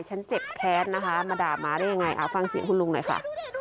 ฉันเจ็บแค้นนะคะมาด่าหมาได้ยังไงฟังเสียงคุณลุงหน่อยค่ะ